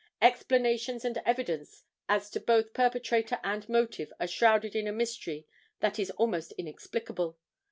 Explanations and evidence as to both perpetrator and motive are shrouded in a mystery that is almost inexplicable.